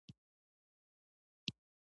اوړه د هر چای سره نان ورکوي